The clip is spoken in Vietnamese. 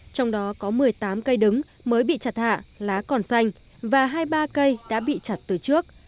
trong đó có một mươi tám cây đứng mới bị chặt hạ lá còn xanh và hai mươi ba cây đã bị chặt từ trước